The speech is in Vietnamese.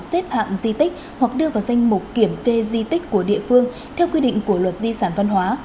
xếp hạng di tích hoặc đưa vào danh mục kiểm kê di tích của địa phương theo quy định của luật di sản văn hóa